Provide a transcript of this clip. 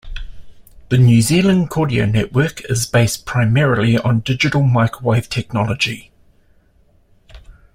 The New Zealand Kordia network is based primarily on digital microwave technology.